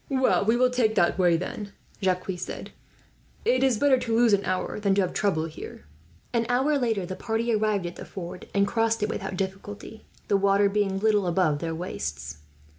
"Well, we will take that way, then," Jacques said. "It is better to lose an hour, than to have trouble here." An hour later, the party arrived at the ford and crossed it without difficulty, the water being little above their waists.